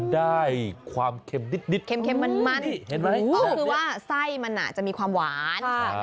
ไส้มันอาจจะมีความหวาน